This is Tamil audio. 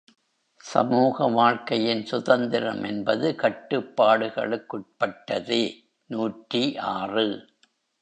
சமூக வாழ்க்கையின் சுதந்திரம் என்பது கட்டுப்பாடுகளுக்குட்பட்டதே! நூற்றி ஆறு.